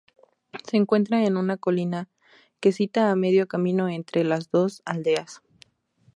Se encuentra en una colina que sita a medio camino entre las dos aldeas.